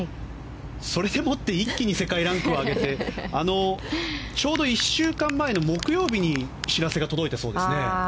それで一気に世界ランクを上げてちょうど１週間前の木曜日に知らせが届いたそうですね。